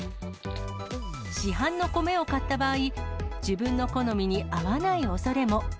市販の米を買った場合、自分の好みに合わないおそれも。